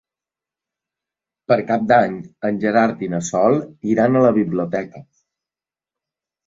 Per Cap d'Any en Gerard i na Sol iran a la biblioteca.